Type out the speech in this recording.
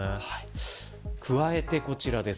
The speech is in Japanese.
加えてこちらです。